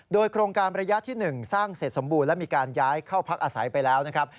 โดยโครงการระยะที่๑สร้างเสร็จสมบูรณ์และมีการย้ายเข้าพักอาศัยไปแล้วนะครับ